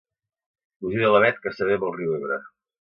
Cosí de l'avet que s'avé amb el riu Ebre.